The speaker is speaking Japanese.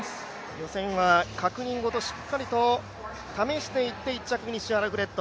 予選は、確認ごとしっかりと試していって１着フィニッシュ、アルフレッド。